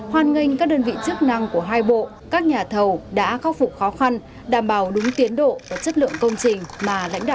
hoàn nghênh các đơn vị chức năng của hai bộ các nhà thầu đã khắc phục khó khăn đảm bảo đúng tiến độ và chất lượng công trình mà lãnh đạo hai bộ đề ra